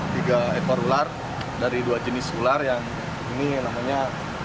tiga ekor ular dari dua jenis ular yang ini namanya